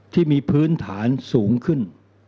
ที่มีพื้นฐานสูงขึ้น